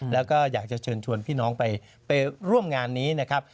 แล้วก็อยากจะเชิญชวนพี่น้องไปร่วมงานนี้นะครับ